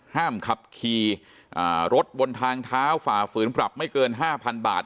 ห้ามขับขี่รถบนทางเท้าฝ่าฝืนปรับไม่เกิน๕๐๐๐บาท